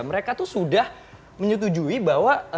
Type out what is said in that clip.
mereka tuh sudah menyetujui bahwa